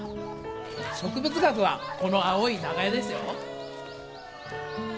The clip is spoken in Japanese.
植物学はこの青い長屋ですよ。